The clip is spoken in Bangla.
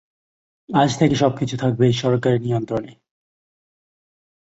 আজ থেকে সবকিছু থাকবে এই সরকারি নিয়ন্ত্রণে।